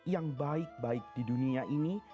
yang baik baik di dunia ini